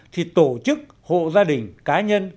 thì tổ chức hộ gia đình cá nhân